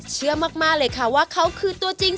เชื่อมากเลยค่ะว่าเขาคือตัวจริง